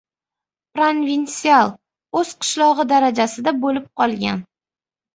— Provinsial! O‘z qishlog‘i darajasida bo‘lib qolgan!